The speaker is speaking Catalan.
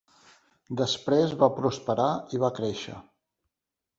Després va prosperar i va créixer.